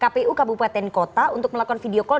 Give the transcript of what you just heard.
kpu kabupaten kota untuk melakukan video call